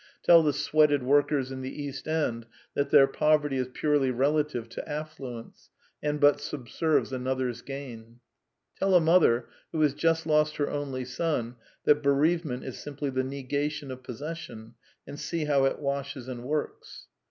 Tell the sweated workers in the East End that their poverty is purely relative to affluence, and but subserves another's gain ; tell a mother who has just lost her only son that bereavement is simply the negation of possession, and see how it washes and works.